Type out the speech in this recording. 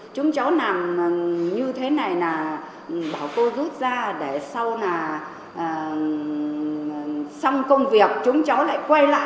chúng cháu làm như thế này là bảo cô rút ra để sau là xong công việc chúng cháu lại quay lại